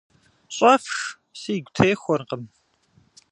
Щӏэфш, сигу техуэркъым.